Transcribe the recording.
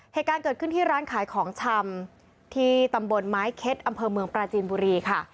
เหตุการณ์เกิดขึ้นที่ร้านขายของชำที่ตำบลไม้เค็ดอำเภอเมืองปราจีนบุรีค่ะ